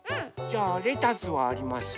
じゃあレタスはあります？